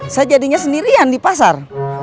saya jadinya sendirian di pasar